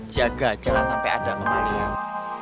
jaga jalan sampai ada kemalian